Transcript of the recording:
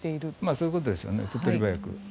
そういうことでしょうね手っ取り早く。